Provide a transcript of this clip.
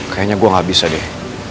kayaknya gue gak bisa deh